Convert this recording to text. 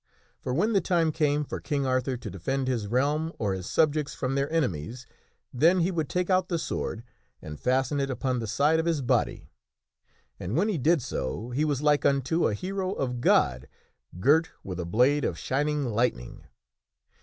For when the time came for King Arthur to defend his realm or his sub jects from their enemies, then he would take out the sword, and fasten it upon the side of his body ; and when he did so he was like unto a hero of God girt with a blade of shining lightning.